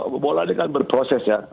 mola dia kan berproses ya